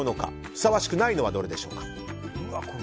ふさわしくないのはどれでしょうか。